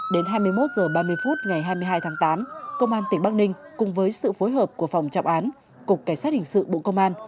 đến hai mươi một h ba mươi phút ngày hai mươi hai tháng tám công an tỉnh bắc ninh cùng với sự phối hợp của phòng trọng án cục cảnh sát hình sự bộ công an